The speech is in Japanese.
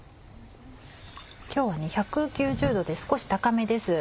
今日は１９０℃で少し高めです。